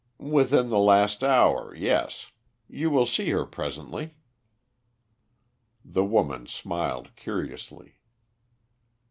"Within the last hour, yes. You will see her presently." The woman smiled curiously.